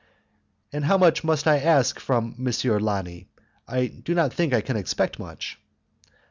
"And how much must I ask from M. Lani? I do not think I can expect much."